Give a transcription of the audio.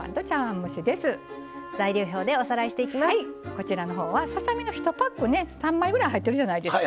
こちらの方はささ身の１パックね３枚ぐらい入ってるじゃないですか。